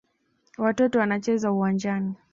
Watoto wanacheza uwanjani.